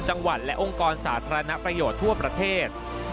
จังหวัดและองค์กรสาธารณประโยชน์ทั่วประเทศ